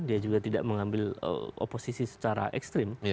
dia juga tidak mengambil oposisi secara ekstrim